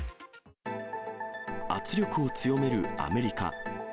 圧力を強めるアメリカ。